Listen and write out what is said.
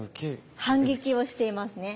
反撃をしていますね。